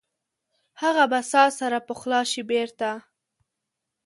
هغه به ساه سره پخلا شي بیرته؟